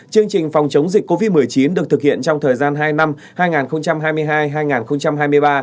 chương trình phòng chống dịch covid một mươi chín được thực hiện trong thời gian hai năm hai nghìn hai mươi hai hai nghìn hai mươi ba